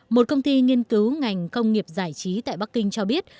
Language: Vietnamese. một công ty nghiên cứu ngành công nghiệp giải trí tại bắc kinh cho biết